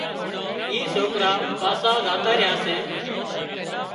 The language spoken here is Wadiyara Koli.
اين سوڪرا پاسا زاتا ريا سي